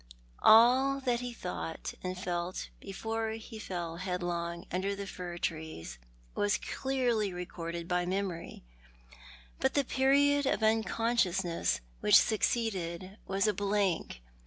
All that he thought and fult before he fell headlong under the fir trees was clearly recorded by memory, b;it the period of un consciousness which succeeded was a blank.